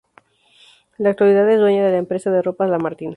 En la actualidad es dueña de la empresa de ropas La Martina.